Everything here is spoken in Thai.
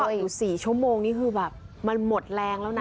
อยู่๔ชั่วโมงนี่คือแบบมันหมดแรงแล้วนะ